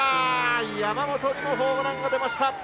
山本にもホームランが出ました。